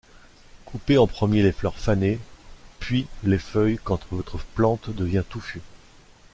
Coupez en premier les fleurs fanées puis les feuilles quand votre plante devient touffue.